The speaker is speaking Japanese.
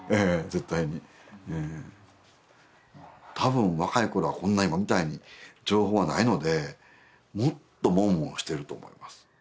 絶対にたぶん若い頃はこんな今みたいに情報はないのでもっともわもわしてると思います